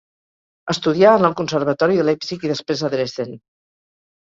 Estudià en el Conservatori de Leipzig i després a Dresden.